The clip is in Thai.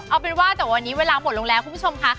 เอาเป็นว่าแต่วันนี้เวลาหมดลงแล้วคุณผู้ชมค่ะ